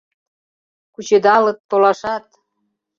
Кучедалыт, толашат